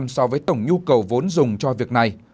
so với tổng nhu cầu vốn dùng cho việc này